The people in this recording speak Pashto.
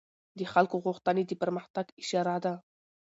د خلکو غوښتنې د پرمختګ اشاره ده